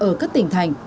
ở các tỉnh thành